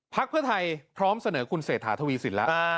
เพื่อไทยพร้อมเสนอคุณเศรษฐาทวีสินแล้ว